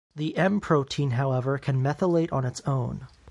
The M protein, however, can methylate on its own.